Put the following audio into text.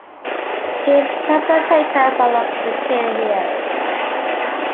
His personal papers are located here.